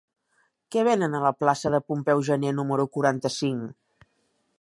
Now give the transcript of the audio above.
Què venen a la plaça de Pompeu Gener número quaranta-cinc?